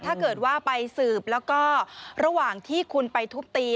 ถ้าเกิดว่าไปสืบแล้วก็ระหว่างที่คุณไปทุบตี